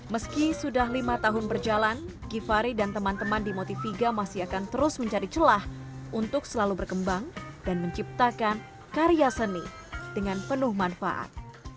meski sudah lima tahun berjalan givhary dan teman teman di motiviga masih akan terus mencari celah untuk selalu berkembang dan menciptakan karya seni dengan penuh manfaat